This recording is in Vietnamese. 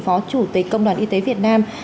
phó chủ tịch công đoàn y tế việt nam